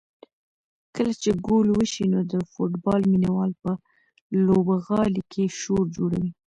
کله چې ګول وشي نو د فوټبال مینه وال په لوبغالي کې شور جوړوي.